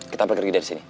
kita pergi dari sini